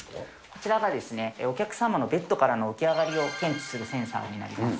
こちらがお客様のベッドからの起き上がりを検知するセンサーになります。